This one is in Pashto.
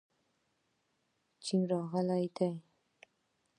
چین راغلی دی.